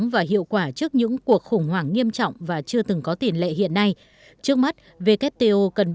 vâng hãy sẵn sàng cho tất cả